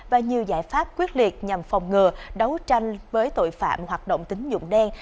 và nhiều giải pháp quyết liệt nhằm phòng ngừa đấu tranh với tội phạm hoạt động tính dụng đen